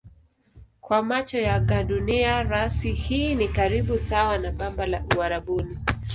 Kwa macho ya gandunia rasi hii ni karibu sawa na bamba la Uarabuni.